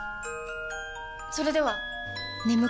それでは！